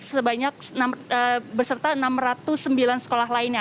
sebanyak berserta enam ratus sembilan sekolah lainnya